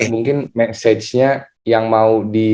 mungkin message nya yang mau di